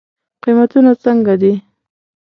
قیمتونه څنګه دی؟